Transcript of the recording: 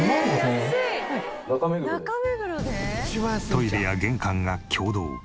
トイレや玄関が共同。